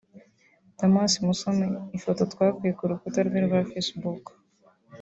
Damas Musoni / Ifoto twakuye ku rukuta rwe rwa facebook